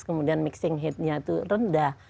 kemudian mixing heat nya itu rendah